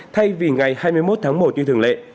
thay vì ngày hai mươi một tháng một như thường lệ